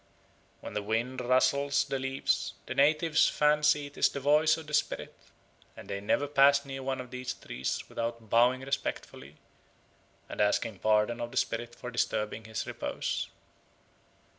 When the wind rustles the leaves, the natives fancy it is the voice of the spirit; and they never pass near one of these trees without bowing respectfully, and asking pardon of the spirit for disturbing his repose.